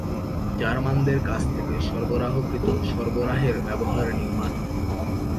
জার্মানদের কাছ থেকে সরবরাহকৃত সরবরাহের ব্যবহার নির্মাণ।